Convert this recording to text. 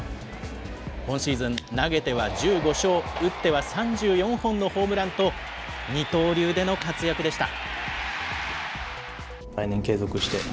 今シーズン、投げては１５勝、打っては３４本のホームランと、二刀流での活躍でした。